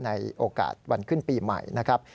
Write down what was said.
ในโอกาสวันขึ้นปีใหม่นะครับ